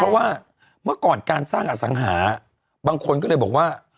เพราะว่าเมื่อก่อนการสร้างอสังหาบางคนก็เลยบอกว่า